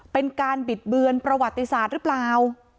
เป็นการบิดเบือนประวัติศาสตร์หรือเปล่า